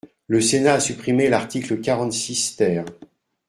Le Sénat a supprimé l’article quarante-six ter.